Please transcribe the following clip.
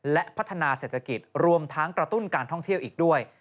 และพัฒนาเศรษฐกิจรวมทั้งกระตุ้นการท่องเที่ยวอีกด้วย